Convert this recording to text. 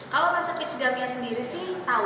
kalau masak peach gum sendiri sih tahu